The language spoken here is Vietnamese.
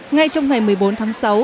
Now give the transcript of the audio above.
ngay trong ngày một mươi bốn tháng sáu